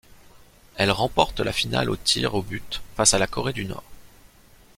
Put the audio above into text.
Elle remporte la finale aux tirs au but face à la Corée du Nord.